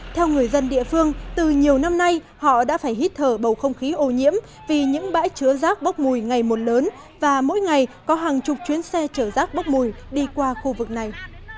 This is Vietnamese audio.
theo người dân địa phương từ nhiều năm nay họ đã phải hít thở bầu không khí ô nhiễm vì những bãi chứa rác bốc mùi ngày một lớn và mỗi ngày có hàng chục chuyến xe chở rác bốc mùi đi qua khu vực này